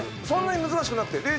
そんなに難しくなくて。